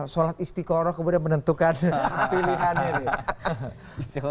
sholat istiqoroh kemudian menentukan pilihannya nih